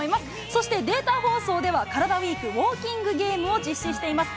そして、データ放送では、カラダＷＥＥＫ、ウォーキングゲームを実施しています。